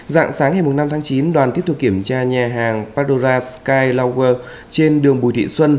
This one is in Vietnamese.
dạng sáng ngày năm tháng chín đoàn tiếp tục kiểm tra nhà hàng padora sky lower trên đường bùi thị xuân